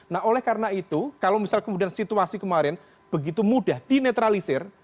nah oleh karena itu kalau misal kemudian situasi kemarin begitu mudah dinetralisir